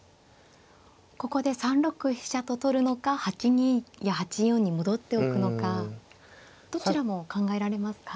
ここで３六飛車と取るのか８二や８四に戻っておくのかどちらも考えられますか。